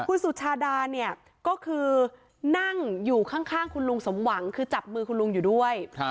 คุณสุชาดาเนี่ยก็คือนั่งอยู่ข้างคุณลุงสมหวังคือจับมือคุณลุงอยู่ด้วย